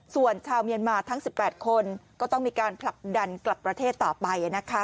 ส่วนชาวเมียนมาทั้ง๑๘คนก็ต้องมีการผลักดันกลับประเทศต่อไปนะคะ